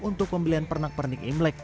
untuk pembelian pernak pernik imlek